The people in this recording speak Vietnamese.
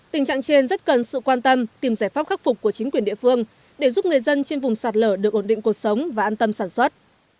tình trạng trên rất cần sự quan tâm tìm giải pháp khắc phục của chính quyền địa phương để giúp người dân trên vùng sạt lở được ổn định cuộc sống và an tâm sản xuất